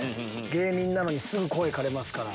芸人なのにすぐ声かれますから。